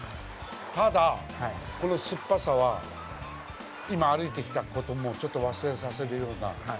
ただ、この酸っぱさは今歩いてきたこともちょっと忘れさせるような。